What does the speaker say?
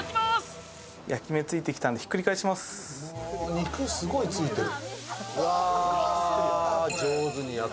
肉、すごいついてる。